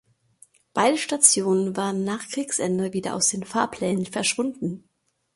Beide Stationen waren nach Kriegsende wieder aus den Fahrplänen verschwunden.